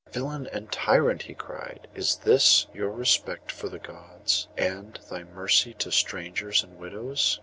'Villain and tyrant!' he cried; 'is this your respect for the Gods, and thy mercy to strangers and widows?